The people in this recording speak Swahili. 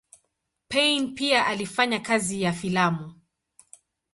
Payn pia alifanya kazi ya filamu.